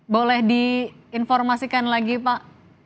boleh diinformasikan lagi pak